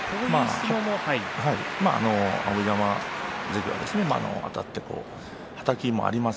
碧山関はあたってはたきもあります。